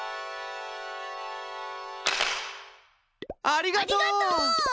ありがとう！